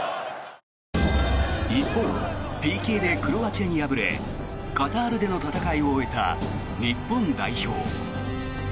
一方、ＰＫでクロアチアに敗れカタールでの戦いを終えた日本代表。